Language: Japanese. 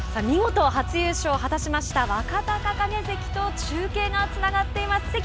見事初優勝を果たしました若隆景関と中継がつながっています。